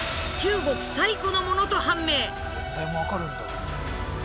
年代も分かるんだ。